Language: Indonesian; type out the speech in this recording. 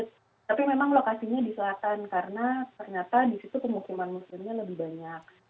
tapi memang lokasinya di selatan karena ternyata di situ pemukiman muslimnya lebih banyak